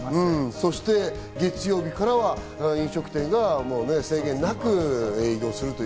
そして月曜日からは、飲食店が制限なく営業する。